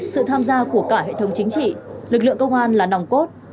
sự tham gia của cả hệ thống chính trị lực lượng công an là nòng cốt